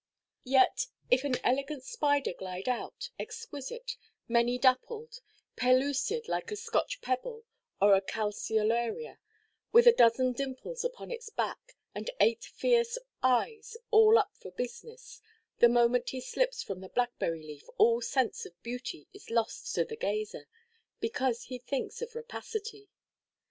Yet if an elegant spider glide out, exquisite, many–dappled, pellucid like a Scotch pebble or a calceolaria, with a dozen dimples upon his back, and eight fierce eyes all up for business, the moment he slips from the blackberry–leaf all sense of beauty is lost to the gazer, because he thinks of rapacity.